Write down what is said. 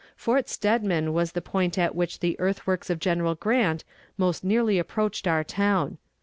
Fort Steadman was the point at which the earthworks of General Grant most nearly approached our own.